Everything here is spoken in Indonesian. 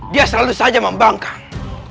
dia selalu saja membangkang